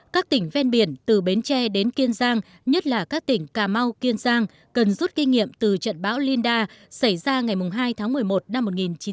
các tỉnh ven biển từ bến tre đến kiên giang nhất là các tỉnh cà mau kiên giang cần rút kinh nghiệm từ trận bão linda xảy ra ngày hai tháng một mươi một năm một nghìn chín trăm bảy mươi